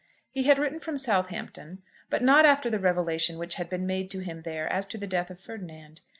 He had written from Southampton, but not after the revelation which had been made to him there as to the death of Ferdinand.